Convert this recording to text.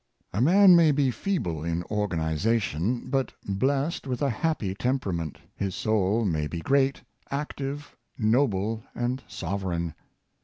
A man may be feeble in organization, but, blessed with a happy temperament, his soul may be great, active, noble, and sovereign.